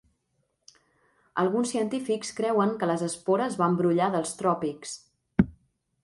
Alguns científics creuen que les espores van brollar dels tròpics.